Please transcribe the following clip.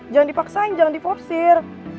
jangan dipaksain jangan dipaksir